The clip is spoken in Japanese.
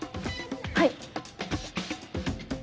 はい。